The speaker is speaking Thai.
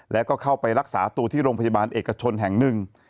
แล้วก็เข้าไปรักษาตัวที่โรงพยาบาลเอกชนแห่งหนึ่ง